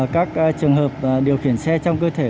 các trường hợp điều khiển xe trong cơ thể